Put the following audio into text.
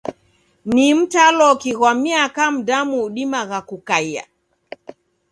Ni mtaloki ghwa miaka mdamu udimagha kukaia?